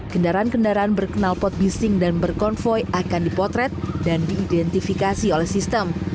kendaraan kendaraan berkenal pot bising dan berkonvoy akan dipotret dan diidentifikasi oleh sistem